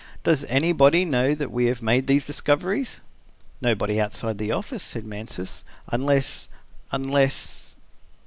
"Does anybody know that we have made these discoveries?" "Nobody outside the office," said Mansus, "unless, unless..."